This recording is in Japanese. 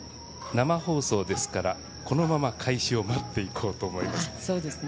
生放送ですから、このまま開始を待っていこうと思います。